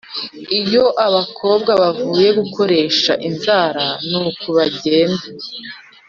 Iyo abakobwa bavuye gukoresha inzara nuku bagenda